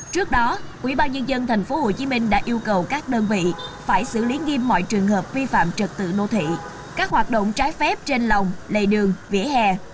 trước đó quỹ ban nhân dân tp hồ chí minh đã yêu cầu các đơn vị phải xử lý nghiêm mọi trường hợp vi phạm trật tự nô thị các hoạt động trái phép trên lòng lề đường vỉa hè